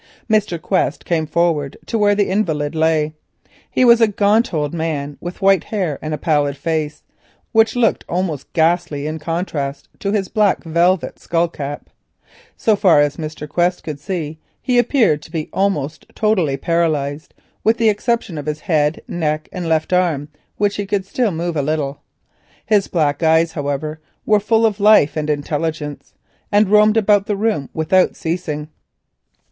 Mr. Quest came forward to where the invalid lay. He was a gaunt old man with white hair and a pallid face, which looked almost ghastly in contrast to his black velvet skull cap. So far as Mr. Quest could see, he appeared to be almost totally paralysed, with the exception of his head, neck, and left arm, which he could still move a little. His black eyes, however, were full of life and intelligence, and roamed about the room without ceasing.